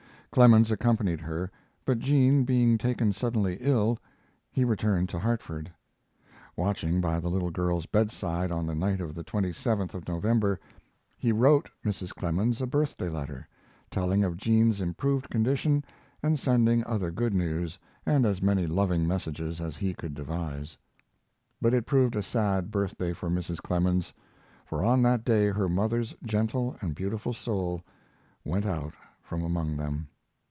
Clemens accompanied her, but Jean being taken suddenly ill he returned to Hartford. Watching by the little girl's bedside on the night of the 27th of November, he wrote Mrs. Clemens a birthday letter, telling of Jean's improved condition and sending other good news and as many loving messages as he could devise. But it proved a sad birthday for Mrs. Clemens, for on that day her mother's gentle and beautiful soul went out from among them.